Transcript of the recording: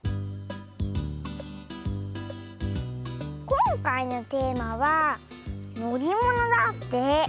こんかいのテーマは「のりもの」だって。